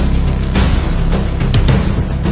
สวัสดีครับ